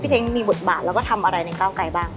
พี่เทคมีบทบาทแล้วก็ทำอะไรในเก้าไกรบ้าง